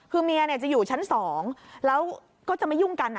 คือเมียจะอยู่ชั้น๒แล้วก็จะไม่ยุ่งกัน